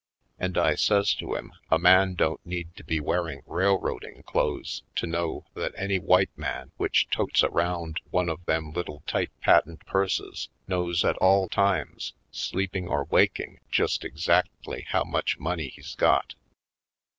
And I says to him, a man don't need to be wearing railroading clothes to know that any white man which totes around one of them little tight patent purses knows at all times, sleeping or waking, just exactly how much money he's got.